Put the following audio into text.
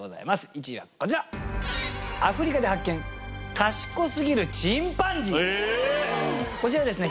１位はこちらこちらですね